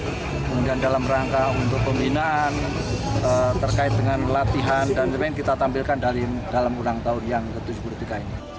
kemudian dalam rangka untuk pembinaan terkait dengan latihan dan lain lain kita tampilkan dalam ulang tahun yang ke tujuh puluh tiga ini